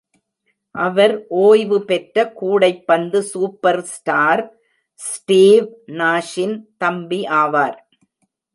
அவர் ஓய்வு பெற்ற கூடைப்பந்து சூப்பர் ஸ்டார் ஸ்டீவ் நாஷின் தம்பி ஆவார்.